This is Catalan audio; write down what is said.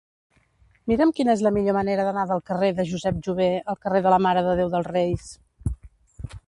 Mira'm quina és la millor manera d'anar del carrer de Josep Jover al carrer de la Mare de Déu dels Reis.